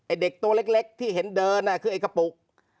เด็กตัวเล็กที่เห็นเดินคือไอ้กระปุก